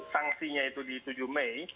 sanksinya itu di tujuh mei